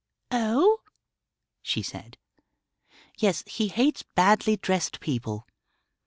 "Oh?" she said. "Yes, he hates badly dressed people.